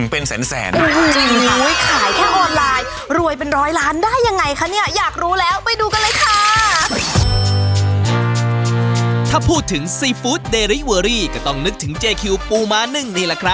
ประหยัดไปอีกตั้งเป็นแสน